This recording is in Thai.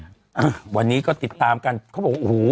อ่าวันนี้ก็ติดตามกันเขาบอกโอ้โห